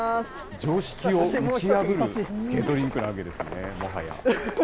常識を打ち破るスケートリンクなわけですね、もはや。